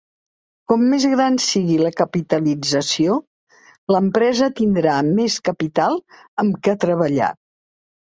Com més gran sigui la capitalització, l'empresa tindrà més capital amb què treballar.